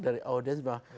dari audiens bahwa